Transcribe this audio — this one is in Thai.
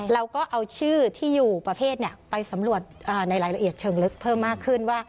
เราก็เอาชื่อที่อยู่ประเภทไปสำรวจในรายละเอียดเชิงลึกเพิ่มมากขึ้นว่า